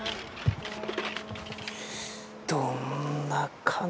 どんな感じ。